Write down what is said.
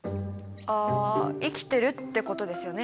あ生きてるってことですよね！